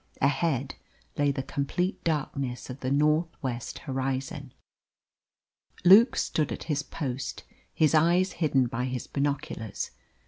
Ahead lay the complete darkness of the north west horizon. Luke stood at his post, his eyes hidden by his binoculars.